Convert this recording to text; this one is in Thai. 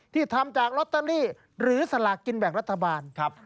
ที่ทำจากลอตเตอรี่หรือสลากกินแบ่งรัฐบาล